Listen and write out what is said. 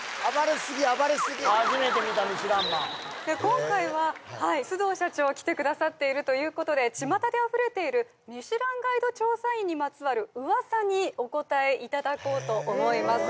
今回は須藤社長が来てくださっているということで巷であふれているミシュランガイド調査員にまつわるウワサにお答えいただこうと思います